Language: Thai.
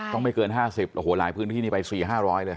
ไม่เกิน๕๐โอ้โหหลายพื้นที่นี่ไป๔๕๐๐เลย